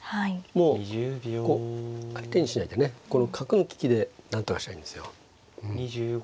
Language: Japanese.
もうこう相手にしないでねこの角の利きでなんとかしたいんですよ。